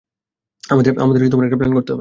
আমাদের একটা প্ল্যান করতে হবে।